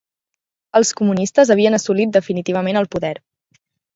Els comunistes havien assolit definitivament el poder